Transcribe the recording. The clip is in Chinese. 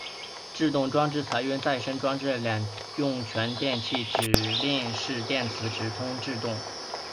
制动装置采用再生制动两用全电气指令式电磁直通制动。